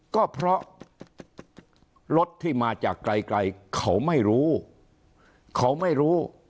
ก็เพราะรถที่มาจากไกลไกลเขาไม่รู้เขาไม่รู้